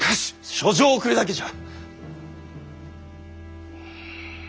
書状を送るだけじゃ！